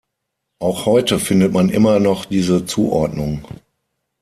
Auch heute findet man immer noch diese Zuordnung.